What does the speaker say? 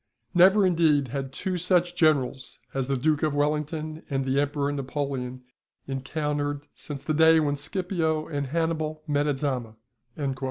"Never, indeed, had two such generals as the Duke of Wellington and the Emperor Napoleon encountered since the day when Scipio and Hannibal met at Zama."